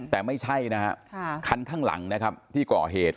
แต่ไม่ใช่นะฮะคันข้างหลังนะครับที่ก่อเหตุ